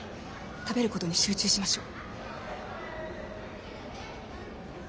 食べることに集中しましょう。